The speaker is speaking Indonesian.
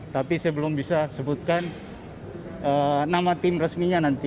tapi saya belum bisa sebutkan nama tim resminya nanti